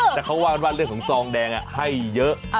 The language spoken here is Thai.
แต่เขาว่ากันว่าเรื่องของซองแดงให้เยอะ